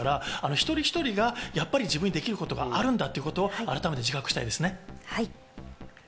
一人一人が自分にできることがあるんだということ改めて自覚したいですね。